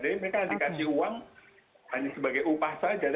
jadi mereka dikasih uang hanya sebagai upah saja